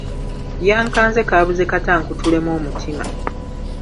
Yankanze kaabuze kata ankutulemu omutima.